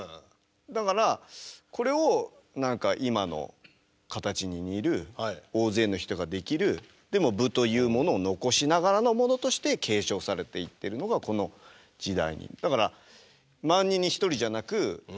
だからこれを何か今の形に似る大勢の人ができるでも「武」というものを残しながらのものとして継承されていってるのがこの時代に。